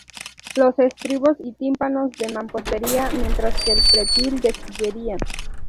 Los estribos y tímpanos de mampostería, mientras que el pretil de sillería.